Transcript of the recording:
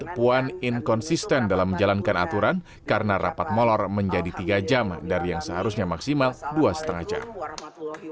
puan inkonsisten dalam menjalankan aturan karena rapat molor menjadi tiga jam dari yang seharusnya maksimal dua lima jam